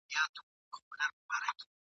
مُلا قاضي وي ملا افسر وي ,